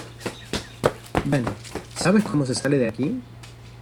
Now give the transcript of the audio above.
Ven. ¿ sabes cómo se sale de aquí?